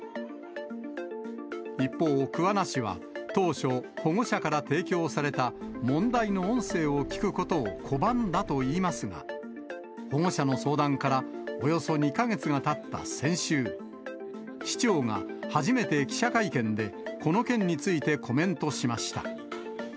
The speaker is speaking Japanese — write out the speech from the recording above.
一方、桑名市は当初、保護者から提供された問題の音声を聞くことを拒んだといいますが、保護者の相談からおよそ２か月がたった先週、市長が初めて記者会見でこの件についてコメントしました。